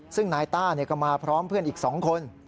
ซึ่งนายต้าก็มาพร้อมเพื่อนอีก๒คน